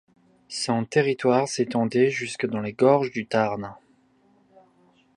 Son territoire s'étendait jusque dans les gorges du Tarn.